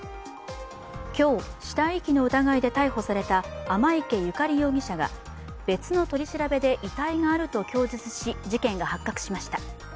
今日、死体遺棄の疑いで逮捕された天池由佳理容疑者が別の取り調べで遺体があると供述し事件が発覚しました。